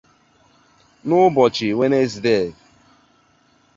n’ụbọchị Nwenezdee